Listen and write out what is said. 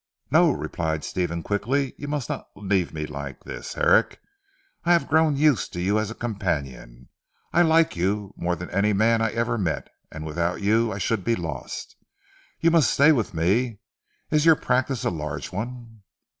"No," replied Stephen quickly, "you must not leave me like this Herrick. I have grown used to you as a companion. I like you more than any man I ever met, and without you I should be lost. You must stay with me. Is your practice a large one?"